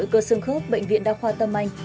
cơ sương khớp bệnh viện đa khoa tâm anh